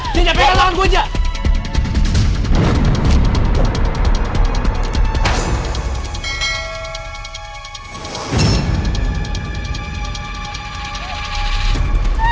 dia nyampekan tanganku raja